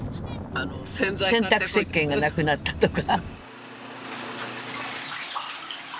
洗濯せっけんがなくなったとか。